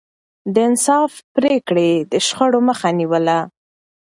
د انصاف پرېکړې يې د شخړو مخه نيوله.